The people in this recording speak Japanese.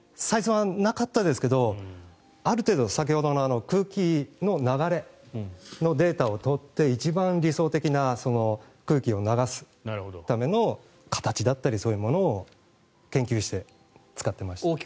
サイズはなかったですけどある程度、先ほどの空気の流れのデータを取って一番理想的な空気を流すための形だったりそういうものを研究して使っていました。